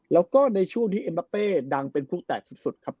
แล้วก็ในช่วงที่เอ็มบาเป้ดังเป็นผู้แตกสุดครับ